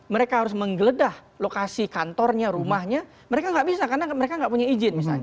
mereka harus menggeledah lokasi kantornya rumahnya mereka tidak bisa karena mereka tidak punya izin